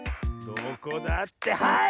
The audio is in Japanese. どこだってはい！